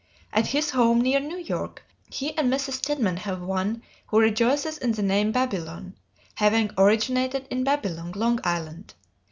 At his home near New York, he and Mrs. Stedman have one who rejoices in the name "Babylon," having originated in Babylon, Long Island.